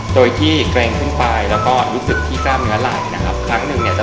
โดยที่เกรงขึ้นไปแล้วก็รู้สึกที่กล้ามเนื้อไหลนะครับครั้งหนึ่งเนี่ยจะ